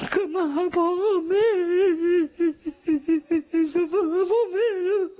กลับมาพ่อแม่มาพ่อแม่